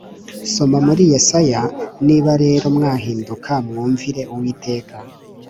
Soma muri Yesaya Niba rero mwahinduka mwumvire uwiteka